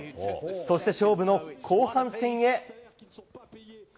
そして勝負の後半戦へ。